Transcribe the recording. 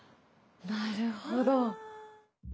なるほど。